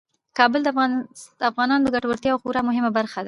کابل د ټولو افغانانو د ګټورتیا یوه خورا مهمه برخه ده.